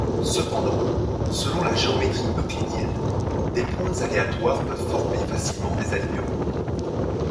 Cependant, selon la géométrie euclidienne, des points aléatoires peuvent former facilement des alignements.